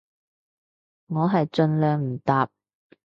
我係盡量唔搭